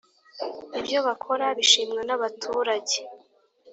Ibyo bakora bishimwa n’ abaturage